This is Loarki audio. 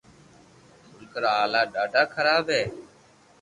ملڪ را ھالات ڌاڌا خراب ھي